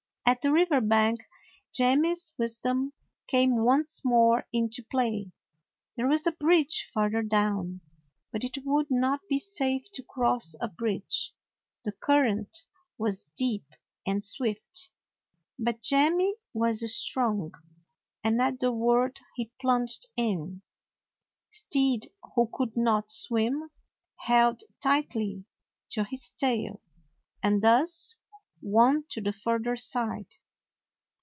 At the river bank Jemmy's wisdom came once more into play. There was a bridge far ther down, but it would not be safe to cross a bridge. The current was deep and swift, 104 A NEW ZEALAND DOG but Jemmy was strong, and at the word he plunged in. Stead, who could not swim, held tightly to his tail, and thus won to the further side.